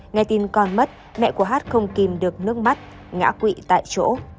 nghe tin con mất mẹ của hát không kìm được nước mắt ngã quỵ tại chỗ